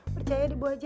percaya di bu aja ye